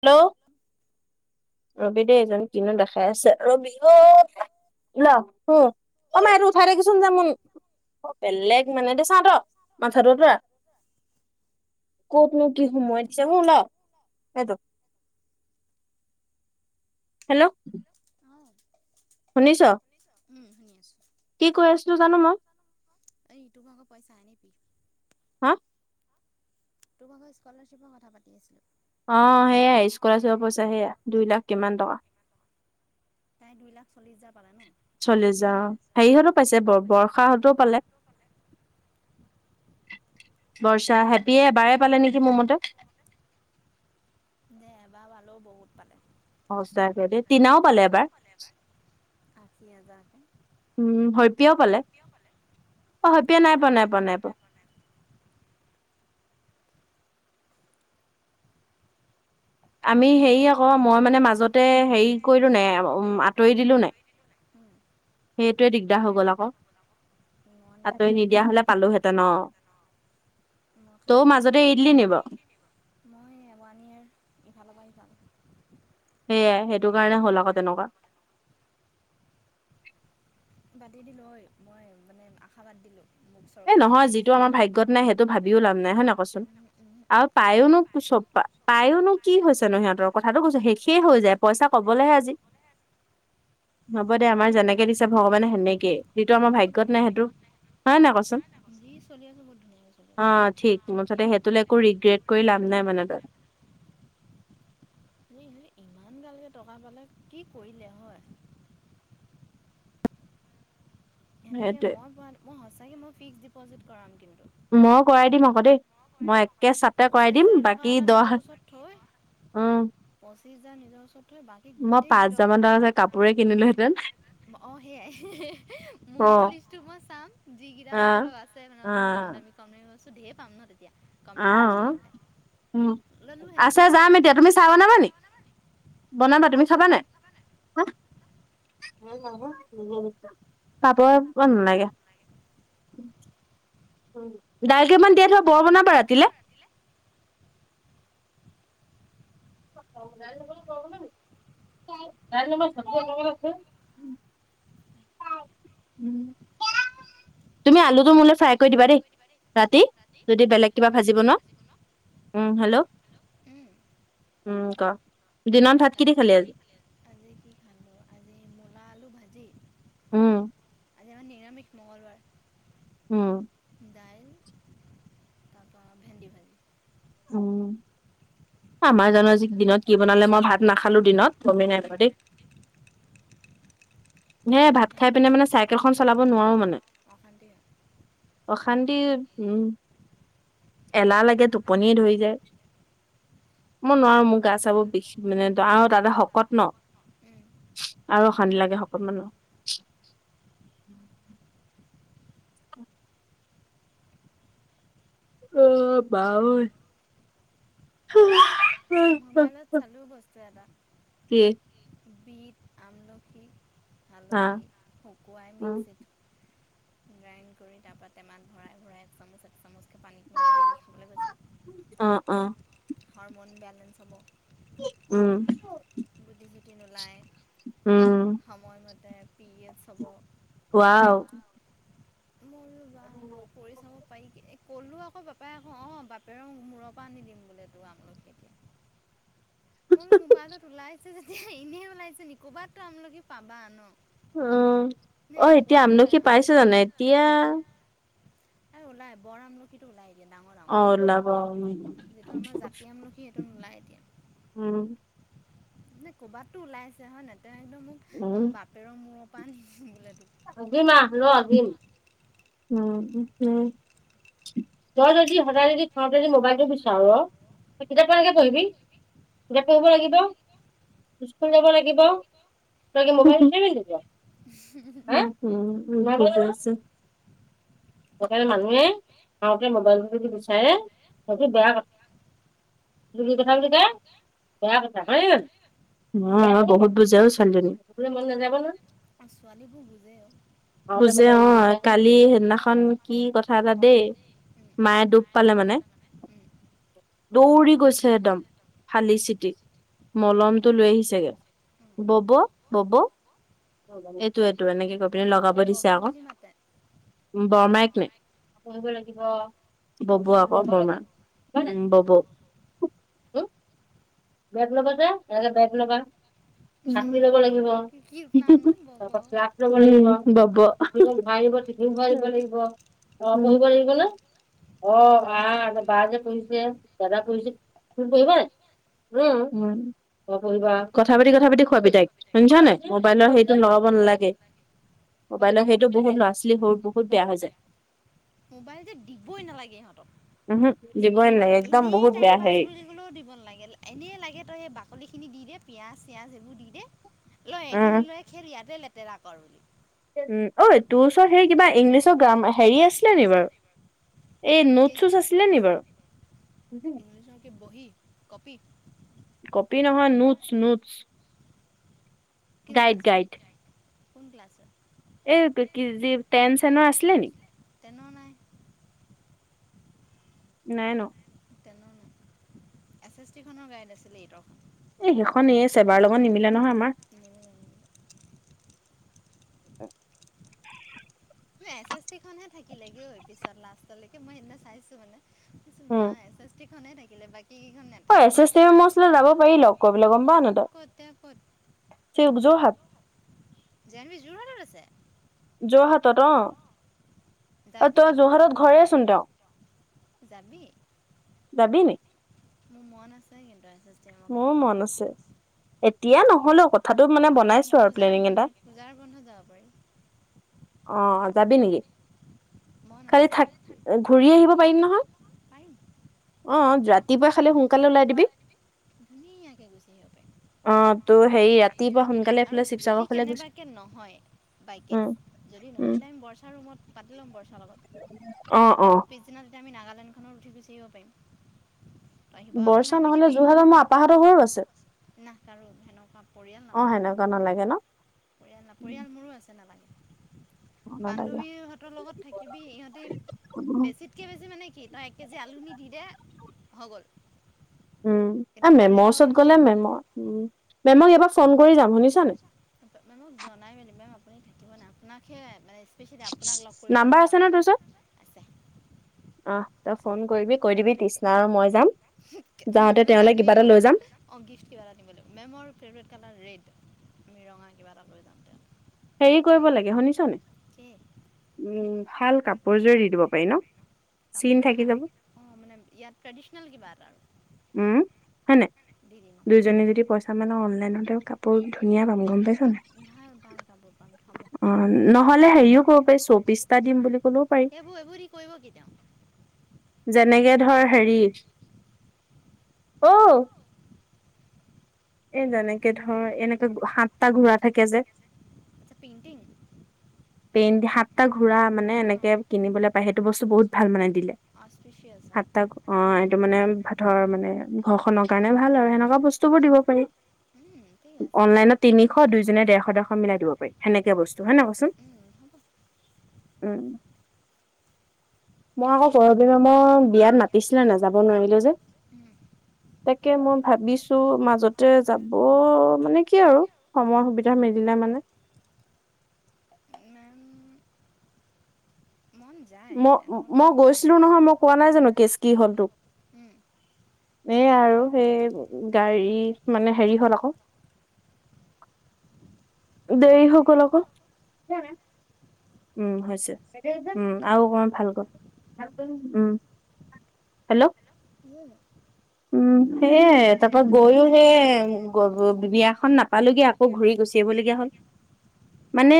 Hello. Ravi দেই এজন কিনো দেখাই আছে ৰবি অ অ মা এইতো উঠাই দেগৈচোন যা মই অ' বেলেগ মানে, দি চাওঁ মাথাটো অতৰা। কতনো কি সোমোৱাই দিছে হু ল এইটো হেল্ল অ'। শুনিছ শুনি আছোঁ। কি কৈ আছিলো জানু মই এই ইটোম মাক পইচা হা তোমাৰ লগৰ, স্কলাৰশ্বিপৰ, কথা পাতি আছিলোঁ। অ হেয়াই স্কলাৰশ্বিপৰ পইচা হেয়া দুই লাখ কিমান টকা। প্ৰায়, দুই লাখ চল্লিছ হাজাৰ, পালে ন? চল্লিছ হাজাৰ হেৰি হতেও পাইছে বৰ্ষাহতেও পালে বৰ্ষাহেঁতিয়ে এবাৰে পালে নেকি মোৰ মতে! দে এবাৰ পালেও বহুত পালে। সঁচাকে দে, টীনাও পালে এবাৰ। এবাৰ, আশী হাজাৰকে। উম, হৈপীয়াও পালে। অ', হৈপীয়া নাই পোৱা, নাই পোৱা, নাই পোৱা। আমি হেৰি আকৌ, মই মানে মাজতে হেৰি কৰিলোনে এ-ও-আঁতৰি দিলো নাই! উম উম সেইটোৱে দিগদাৰ হৈ গ'ল আকৌ। মই নাজানো আঁতৰি নিদিয়া হ'লে দেই পালোহেঁতেন। অ'। মই খালি তইও মাজতে এৰি দিলি নি বাৰু? এ ৱান ইয়াৰ, ইফালৰ পৰা সিফাল। সেয়াই, সেইটো কাৰণে হ'ল আকৌ তেনেকুৱা। বাদ দি দিলোঁ হয়, মই মানে আশা বাদ দিলোঁ। মোক এ চৰকাৰে নহয় গুণ যিটো দিব আমাৰ ভাগ্যত নাই সেইটো ভাবিও লাভ নাই, হয় নে নাই ক'চোন! আৰু পাইও নো চু-পা পাইও নো কি হৈছে নো সিহঁতৰ? কথাটো কৈছো শেষে হৈ যায়, পইছা ক'বলৈহে আজি [inaudible] হ'ব দে, আমাৰ সিহঁতি যেনেকে দিছে ভগৱানে সেনেকে। যিটো আমাৰ বহুত ভাগ্যত ধুনীয়া নাই সেইটো, হয় নে নাই ক'চোন! যি চলি আছোঁ, বহুত ধুনীয়াকে চলি আছোঁ। অ', ঠিক মুঠতে সেইটোলৈ একো ৰিগ্ৰেট কৰি লাভ নাই মানে তই। এই হে ইমান গালকে টকা পালে, কি কৰিলে হয়! সেনেকে সেইটোৱে মই পোৱা, মই সঁচাকে মই ফিক্স ডিপ'জিট কৰাম কিন্তু। মই কৰাই দিম আকৌ দেই মই একে ছাতে পঁচিছ কৰাই দিম, হাজাৰ টকা বাকী এটা দহ নিজৰ হা- ওচৰত থৈ অ'। পঁচিছ হাজাৰ নিজ ওচৰত থৈ বাকী মই গোটেই পাঁচ হাজাৰ মান টকাৰ যে কাপোৰে কিনিলোঁহেতেন। অ', সেইয়াই, [unintelligible] মোৰ ৱিছলিষ্টটো মই চাম, যি অ কেইটা ল'ব লগা আছে মানে অ অলপ কম দামী কম দামী বস্তু ধেৰ পাম ন' তেতিয়া! কম দামী বস্তু অ', কিনিলে উম। ল'লোহেঁতেন আছে আৰু যাম তেনেকে এতিয়া তুমি চ মি চাহ বনাবা নি? বনাবা, তুমি খাবা নাই? [inaudible] [unintelligible] পাবয়ে [unintelligible] নালাগে। ডাইল কেইমান তিয়াই থোৱা, বৰ বনাবা ৰাতিলে। [unintelligible] আছে [unintelligible] তুমি আলুটো মোলে ফ্ৰাই কৰি দিবা দেই, ৰাতি, যদি বেলেগ কিবা ভাজি বনোৱা। উম, হেল্ল'। উম, উম, ক', দিনত ভাত কিদি খালে আজি? আজি কি খালোঁ! আজি মূলা আলু, ভাজি, উম। আজি আমাৰ নিৰামিষ, মঙলবাৰ। উম। ডাইল, তাপা ভেন্দি ভাজি। উম। আমাৰ জানো আজি দিনত কি বনালে, মই ভাত নাখালো দিনত। গমেই নাই উম, পোৱা দেই। হে ভাত দিনত খাই পিনে মানে চাইকেলখন চলাব [unintelligible] অশান্তি হৈ অশান্তিৰ, উম। এলাহ লাগে তোক। পনিয়ে ধৰি যায়। মই নোৱাৰো মোৰ গা-চাবোৰ বিষ, মানে আও তাতে শকত ন'। উম। আৰু অশান্তি লাগে শকত মানুহ। অ', ঐ মোবাইলত চালোঁ বস্তু এটা [unintelligible] বিট আমলখি হা হালধি, শুকুৱাই অ মিক্সিত গ্ৰাইণ্ড কৰি তাৰ পৰা টেমাত ভৰাই ভৰাই এক চামুচ চামুচকে পানী মেলাই ডেইলি খাবলৈ অ গৈছে হৰমন বেলেঞ্চ হব উম গুটি চুটি নোলায় উম সময়মতে পি এছ হ'ব কোৱা মোৰ বা কৰি চাব ক'লোঁ আকৌ বাপাই আকৌ অঁ বাপেৰেও মূৰৰ পৰা আনি দিম বোলে তো আমলোক কে কে মোৰ মোবাইলত ওলাইছে যেতিয়া এনেই ওলাইছে ন ক'বাতো আমলোকি পাবা ন নে অ', এতিয়া এপোৱাই লৈ আমলখি আহোঁ পাইছে জানো এতিয়া এ ওলাই বৰ আম ল সীটো ওলাই এতিয়া, ডাঙৰ অ ওলাব ডাঙৰটো যিটো আমাৰ জাতি আমলখী সেইটো নোলাই এতিয়া অ', নে ক'ৰবাতো ওলাই আছে হয় নাই তে ইহতে মোক মোৰ মাত পেৰৰ মূৰৰ পৰা আনি দিম বোলে টোক দিম আ ল দিম উম উ তই যদি সদায় যদি খাওতে যদি মোবাইলটো বিচাৰ, কিতাপ কেনেকে পঢ়িবি জাপ হব লাগিব স্কুল যাব লাগিব তে মোবাইল উ, হ উম উ মই ভ আছো মানুহে আহোতে মোবাইলটো যদি বিচাৰে সেইটো বেয়া কথা তুলি কথা বুলিল তা বেয়া কথা হয় অ', হুত বুজে অ ছোৱালীজনী ছোৱালীবোৰ বুজে বুজে অ কালি সেইদিনাখন কি কথা এটা দেই মায়ে দুখ পালে মানে দৌৰি গৈছে একদম ফালি চিটি মলমটো লৈ আহিছেগে বব বব টো এনেকে কৈ পিনে লগাব দিছে বব আকৌ বুলি মাতে বৰমাই ক অঁ ন লাগিব বব ববৌ আকৌ বুলি মাতে বৰমা বব বেগ ল'বা দে এনেকে বেগ ল'বা ছাতি লব বব লাগিব কি কিউট নাম ন বব লগত যা ৰব লাগিব, বব টিফিন ভৰাই টিফিন ভৰাই দিব লাগিব ক পঢ়িব লাগিব ন অ', বা যে পঢ়িছে দাদা পঢ়িছে তুমি পঢিবা উম, উম, পঢ়িবা কথা পাতি কথা পাতি খোৱাবি তাইক শুনিছ নে মোবাইলৰ হেৰিটো লগাব নালাগে মোবাইলৰ সেইটো বহুত লৰা ছোৱালী সৰু বহুত বেয়া হৈ যায় মোবাইল যে দিবই নালাগে, ইহঁতক উহু দিবই সিহক নালাগে একদম এনেই বহুত টাইম বেয়া পাছ হেৰি বুলি ও দিব নালাগে, এনেই লাগে তই সেই বাকলি খিনি দি দে পিয়াঁয়াজ চিয়াঁজ এইবোৰ দি দে লয় উম সেইখিনি লৈ খেল ইয়াতে লেতেৰা কৰ বুলি উ, অঐ তোৰ ওচৰত সেই কিবা ইংলিছৰ গ্ৰাম হেৰি আছিলে নি বাৰু এই নোট চুচ আছিলে নি বাৰু [unintelligible] বহ কপি কপি নহয়, নোটচ নোটচ ক্লা গাইড কোন ক্লাছছে এই কি যি টেন চেনৰ আছিলে নি? টেনৰ নাই। নাই ন'। টেনৰ নাই, এছ এছ টি খনৰ গাইড আছিলে ইতৰ কাৰ এই সেইখন এই চেবাৰ লগত নিমিলে নহয় আমাৰ। [unintelligible] এছ এছ টি খনহে থাকিলেগে পিছত লা লাষ্টলৈকে মই সেইদিনা চাইছোঁ মানে [inaudible] উম বা! এছ এছ টি খনহে থাকিলে বাকী কেইখন নে অ এছ থাকিলে এছ টি এমৰ ওচৰলৈ যাব পাৰি লগ কৰিবলৈ গম পাৱ নাই [unintelligible] [unintelligible] যোৰহাট। জানবী যোৰহাটত আছে। যোৰহাটত অ' যাবি তই যোৰহাটত ঘৰে চোন তেওঁ যাবি। যাবি নি। মোৰ মন আছে কিন্তু এছ এছ টি এমক লগ মোৰ মন কৰিব আছে, এতিয়া নহ'লেও কথ কথাটো মানে বনাইছোঁ আৰু পূজাৰ প্লেনিং এটা। বন্ধত পূজাৰ বন্ধত যাব পাৰি অ' যাবি নেকি। মন কালি আছে থাক মোৰ ঘূৰি আহিব পাৰিম নহয়। পাৰিম। অ', অ', ৰাতিপুৱা খালি সোনকালে ওলাই দিবি। ধুনীয়াকে গুচি আহিব পাৰিম। অ' তোৰ সেই ৰাতিপুৱা সোন আৰু যদি কেনেবাকৈ নহয় উম বাইকেছ যদি নহয় উম তেতিয়া আমি বৰ্ষাৰ ৰুমত পাতি ল'ম বৰচাৰ লগত। অ', অ'। পিছদিনা তেতিয়া আমি নাগালেণ্ডখনত উঠি গুচি আহিব পাৰিম। তই শিৱসাগৰ বৰ্ষা নামি নহ'লে, যোৰহাটৰ মোৰ আপাহঁতৰ ঘৰো আছে। না কাৰোঁ সেনেকুৱা পৰিয়াল নালাগে। অ' সেনেকুৱা নালাগে ন'। পৰিয়াল ন' পৰিয়াল মোৰো আছে অ নালাগে, নালাগে বান্ধৱীহঁতৰ লগত থাক কিবি ইহঁতি বেছিতকৈ বেছি মানে কি তই এক কেজি আলু নি দি দে হৈ গ'ল। উম, কিন্তু মেমৰ পৰিয়ালৰ ওচৰত গ'লে মানুহ মেমৰ উম, মেমক এবাৰ ফোন কৰি যাম শুনিছানে। মেমক জনাই মেলিবা আপুনি থাকিব নাই আপোনাকহে মানে স্পেচিয়েলি আপোনাক লগ কৰি নাম্বাৰ পেলাইহে আছে যাম মই। অ' তই ফোন কৰিবি কৈ দিবি তৃষ্ণা আৰু মই যাম, যাওঁতে তেওঁলে কিবা এটা লৈ যাম। অ' গিফ্ট কিবা এটা নিব লাগিব মেমৰ ফেভৰেট কালাৰ ৰেড, আমি ৰঙা কিবা এটা লৈ যামতে। হেৰি কৰিব লাগে শুনিছোনে। কি উম, ভাল কাপোৰ এযোৰ দি দিব পাৰি ন'। চিন কাপোৰ থাকি হা যাব অ' মানে ইয়াত ট্ৰেডিচনেল কিবা এটা আৰূ। উম, হয় নাই, দিম দুইজনে যদি পইচ তাৰমানে অনলাইনতে কাপোৰ ধুনীয়া পাম গম পাইছোঁ নাই? আৰু ভাল ভাল কাপোৰ পাম হ'ব অ' নহ'লে হেৰিও ক'ব পাৰি চৌবিশটা দিম বুলি ক'লেও পাৰি সেইবোৰ এইবোৰ কৰিব কি তেওঁ। যেনেকে ধৰ হেৰি [unintelligible] এ যেনেকে ধৰ এনেকে সাতটা ঘোৰা থাকে যে। আচ্ছা পেইণ্টিং। পেইণ্ট সাত সাতটা ঘোৰা মানে অঁ এনেকে কিনিবলৈ পায় সেইটো বস্তু বহুত ভাল মানে দিলে, অস্পিচিয়াছ হয় সাতটা অ' এইটো মানে ধৰ মানে ঘৰখনৰ কাৰণে ভাল আৰু সেনেকুৱা বস্তুবোৰ দিব পাৰি। ঠিক আছে অনলাইনত তিনিশ দুইজনীয়ে ডেৰশ ডেৰশ মিলাই দিব পাৰি সেনেকে বস্তু হয় ন' কোচোন। মই আকৌ [unintelligible] বিয়াত না দিছিলে নে, যাব নোৱাৰিলো, যে [unintelligible] তাকে মই ভাবিছো, মাজতে যাব মানে কি আৰু। সময় সুবিধা মেলিলে মানে [unintelligible] [unintelligible] ম এনেকুৱা মই নকওঁ ন মন গৈছিলো নহয় মোক কোৱা নাই জানো নাযায়। কেচ কি হ'ল টো উম। এ আৰু সেই গাড়ী মানে হেৰি হ'ল আকৌ দেৰি হয় গ'ল আকৌ। উম হৈছে উম আৰু অকণমান ভালকৈ উম হেল্ল'। [unintelligible] উম [inaudible] সেয়ে তাৰপা গৈয়ো সেই বিয়াখন নাপালোয়ে আকৌ ঘূৰি গুচি আহিবলগীয়া হ'ল। [inaudible] মানে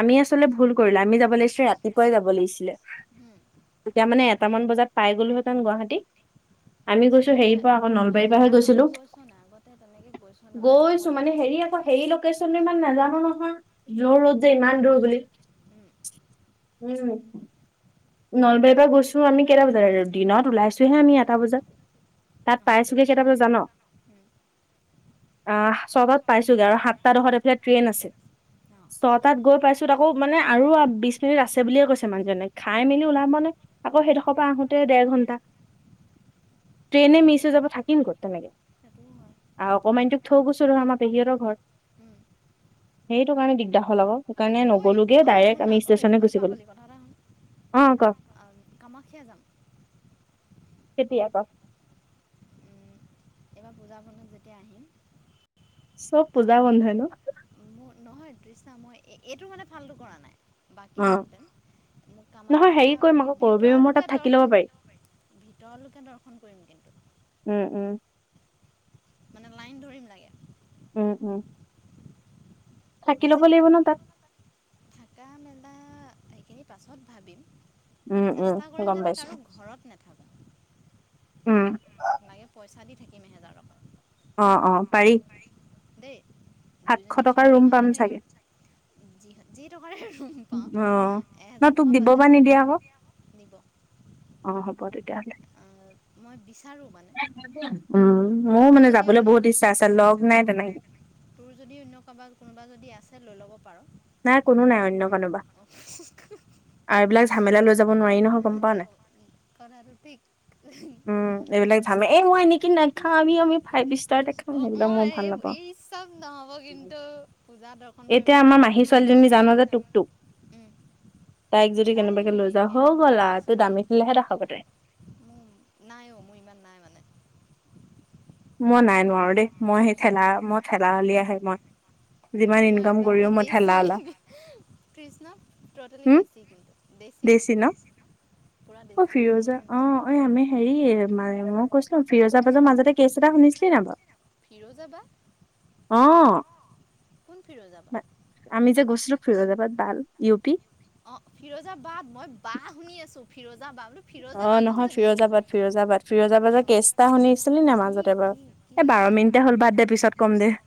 আমি আচলতে ভুল কৰিলো, আমি যাব লাগিছিলে ৰাতিপুৱাই যাব লাগিছিলে। তেতিয়া মানে এটা মান বজাত পাই গলোহেতেন গুৱাহাটী আমি গৈছো আচলতে হেৰিৰ পৰা, আকৌ নলবাৰীৰ তহঁতি পৰাহে আগতে গৈছিলো, গৈছ নাই আগতে তেনেকে গৈছ নাই মানে গৈছো সময়টো মানে, হেৰি আকৌ সেই লোকেশচনটো ইমান নাজানো নহয় উম। জুৰোড যে ইমান দূৰ বুলি। উম, উম। নলবাৰীৰ পৰা গৈছো আমি কেইটা বজাত দিনত ওলাইছোহে আমি এটা বজাত। তাত অ'। পাইছোগে কেইটা বজাত জান? উম, অ' ছবাত পাইছোগে আৰু সাতটা দহত এফালে ট্ৰেইন আছে। অ' ছটাত গৈ পাইছো আকৌ মানে আৰু বিশ মিনিট আছে বুলিয়ে কৈছে মানুহজনে। খাই মেলি ওলাম মানে তাকো সেইডোখৰ পৰা আহোতে দেৰ ঘণ্টা। ট্ৰেইনে মিছ হৈ যাব থাকিম ক'ত তেনেকে? সেইটোও হয়। আ অকণমানি টোক থৈ গৈছো ৰ আমাৰ পেহীহঁতৰ ঘৰত উম, সেইটো কাৰণে দিগদাৰ হ'ল আকৌ, সেইকাৰণে ঐ নগলোগে ঐ শুন ডাইৰেক্ট না আমি ঐ ষ্টেচনে ঐ গুচি গ'লো। [unintelligible] অ' ক কামাখ্যা যাম। [unintelligible] এইবাৰ পূজা বন্ধত যেতিয়া আহিম চব পূজা বন্ধই ন আৰু মোৰ নহয় তৃষ্ণা মই এইটো মানে ফালটু কৰা নাই। বাকী অ যেনতেন মোক নহয় কামাখ্যা হেৰি কৰিম আকৌ কৰবী মেমৰ তাত ভিতৰলৈকে থাকি ল'ব দৰ্শন পাৰি ভিতৰলৈকে দৰ্শন কৰিম কিন্তু। উম উম। মানে লাইন ধৰিম লাগে। উম, উম। থাকি ল'ব বুজিলি লাগিব ন তাত থাকা মেলা সেইখিনি পাছত ভাবিম। উম উম চেষ্টা কৰিম গম যাতে পাইছো কাৰো ঘৰত নেথাকো। উম। লাগে পইচা দি থাকিম এহেজাৰ টকা। অ', অ' পাৰি দেই, সাতশ দুইজনী টকাৰ ৰুম পাম শ্বেয়াৰিঙতহে চাগে থাকিম। যি যি টকাৰে ৰুম পাম অ ন এহেজাৰ তোক টকা দিব বা বাজেট নিদিয়ে আকৌ ল'ব নিব। অ' হ'ব তেতিয়া হ'লে। মই বিচাৰোঁ মানে উম ময়ো তই মানে যদি যাবলৈ অন্য বহুত ইচ্ছা [unintelligible] লগ নাই তেনেকে। তোৰ যদি অন্য কাবা কোনোবা যদি আছে, লৈ লব পাৰ। নাই কোনো নাই অন্য কোনোবা। আৰু এইবিলাক ঝামেলা লৈ যাব নোৱাৰি নহয় গম পাৱ নাই। [unintelligible] উম এইবিলাক ঝামেলা এই মই এনেকে নাখাবি আমি ফাইভ ষ্টাৰতে খাম অ', সেইবিলাক অ', মই ভাল নাপাওঁ এই চপ নহব কিন্তু। পূজা দৰ্শন কৰিবলৈ যাম। সেই ছোৱালীজনী জান যে, টোকটোক। উম, তাইক যদি তাই কেনেবাকে লৈ যাও, হৈ হেৰি বহুত গ'লা বেছি আৰু দেই তাই দামিতোলৈ দেখাব তাই। মোৰ নাই অ, মোৰ ইমান নাই মানে। মই নাই নোৱাৰো দেই, মই সেই উম। ঠেলা মই ঠেলা যিমান মই ইনকাম একদম পুৰা কৰিও মই ঠেলা দেচী, ওলাও কৃষ্ণ ট্ৰটেলি হম দেচী কিন্তু দেচী। দেছি ন পুৰা [unintelligible] উম। ঐ আমি হেৰি, মই কৈছিলো ফিৰজা মাজৰ মাজতে কেছ এটা শুনিছিলি নে বাৰু? ফিৰোজা বা অহ। কোন ফিৰোজা বা আমি যে গৈছিলো ফিৰোজাবাদ [unintelligible] ইউ পি অ', ফিৰোজাবাদ মই বা শুনি আছোঁ, ফিৰোজা বা বুলিও অ নহয়, ফিৰোজাবাদ ফিৰোজাবাদ ফিৰোজাবাদৰ অঁ কেষ্ট এটা শুনিছিলি নে কি মাজতে বাৰু। কি এ বাৰ মিনিটে হ'ল বাদ দে পিছত কম দে। কি